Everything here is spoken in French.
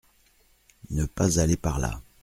Ne pas aller par là !